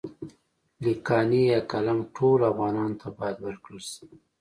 لیکانی يا قلم ټولو افغانانو ته باید ورکړل شي.